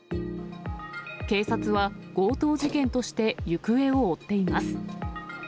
警察は強盗事件として行方を追っています。